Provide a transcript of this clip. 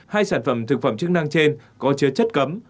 hai sản phẩm thực phẩm chức năng trên có chứa chất cấm